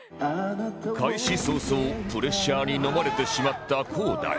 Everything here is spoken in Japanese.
開始早々プレッシャーにのまれてしまった ｋｏ−ｄａｉ